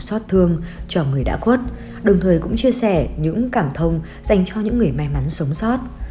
xót thương cho người đã khuất đồng thời cũng chia sẻ những cảm thông dành cho những người may mắn sống sót